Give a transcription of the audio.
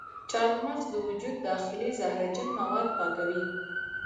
چارمغز د وجود داخلي زهرجن مواد پاکوي.